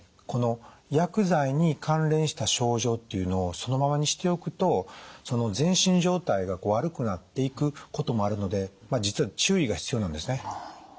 この薬剤に関連した症状っていうのをそのままにしておくと全身状態が悪くなっていくこともあるので実は注意が必要なんですね。